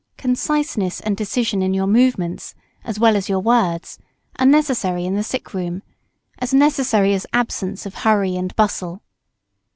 Conciseness and decision in your movements, as well as your words, are necessary in the sick room, as necessary as absence of hurry and bustle.